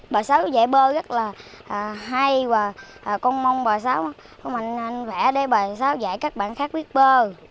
bà sáu dạy bơ rất là hay và con mong bà sáu có mạnh mẽ để bà sáu dạy các bạn khác biết bơ